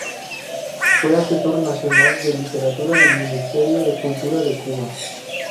Fue asesor nacional de Literatura del Ministerio de Cultura de Cuba.